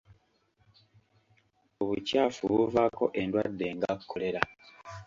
Obukyafu buvaako endwadde nga kkolera.